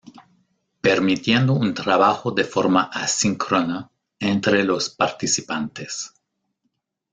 Permitiendo un trabajo de forma asíncrona entre los participantes.